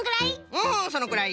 うんそのくらい。